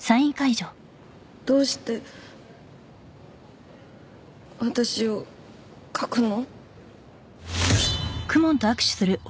どうして私を書くの？